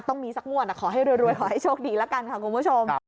ต้องมีสักงวดขอให้รวยขอให้โชคดีแล้วกันค่ะคุณผู้ชม